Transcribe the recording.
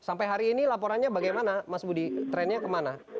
sampai hari ini laporannya bagaimana mas budi trennya kemana